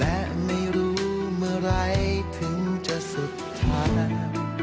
และไม่รู้เมื่อไหร่ถึงจะสุดท้าย